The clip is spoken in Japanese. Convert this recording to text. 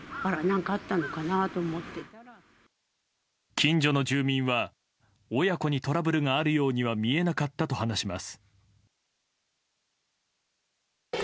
近所の住民は親子にトラブルがあるようには見えなかったと話します。